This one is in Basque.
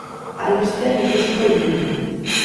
Albisteak ikusiko ditugu.